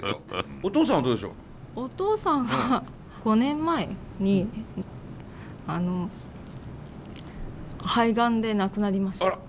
お父さんは５年前にあの肺がんで亡くなりました。